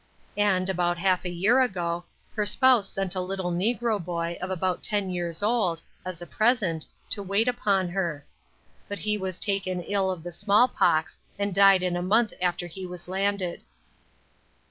And, about half a year ago, her spouse sent a little negro boy, of about ten years old, as a present, to wait upon her. But he was taken ill of the small pox, and died in a month after he was landed.